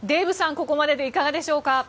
ここまででいかがでしょうか。